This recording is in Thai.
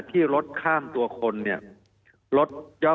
มีความรู้สึกว่ามีความรู้สึกว่า